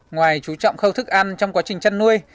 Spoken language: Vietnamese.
ngoài chú trọng khâu thức ăn trong quá trình chăn nuôi